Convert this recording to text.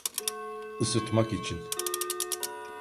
Isıtmak için…